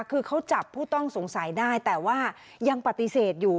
คือเขาจับผู้ต้องสงสัยได้แต่ว่ายังปฏิเสธอยู่